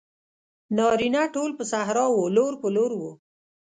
نارینه ټول پر صحرا وو لور په لور وو.